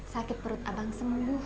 sakit perut abang sembuh